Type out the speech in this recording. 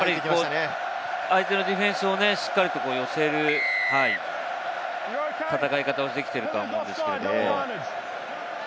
相手のディフェンスをしっかりと寄せる戦い方ができていると思うんですけれども。